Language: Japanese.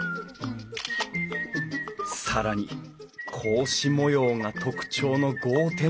更に格子模様が特徴の格